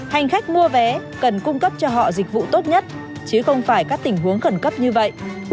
hành khách mua vé cần cung cấp cho họ dịch vụ tốt nhất chứ không phải các tình huống khẩn cấp như vậy